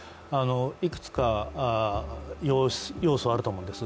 いくつか要素あると思うんです。